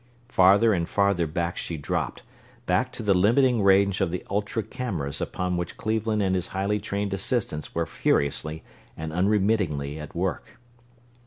Farther and farther back she dropped, back to the limiting range of the ultra cameras upon which Cleveland and his highly trained assistants were furiously and unremittingly at work.